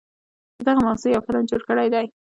په دغه موضوع يو فلم جوړ کړے دے